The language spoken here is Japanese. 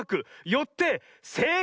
よってせいかい！